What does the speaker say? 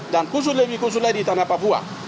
dan lebih khusus di tanah papua